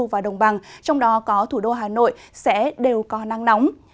và đồng bằng trong đó có thủ đô hà nội sẽ đều có nắng nóng